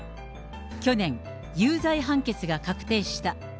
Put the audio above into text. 去年、有罪判決が確定した。